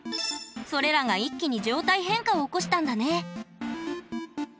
それらが一気に状態変化を起こしたんだね。